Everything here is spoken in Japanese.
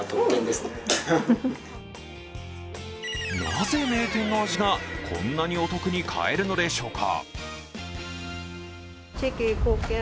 なぜ名店の味がこんなにお得に買えるのでしょうか。